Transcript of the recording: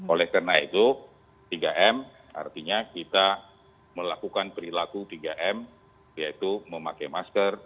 oleh karena itu tiga m artinya kita melakukan perilaku tiga m yaitu memakai masker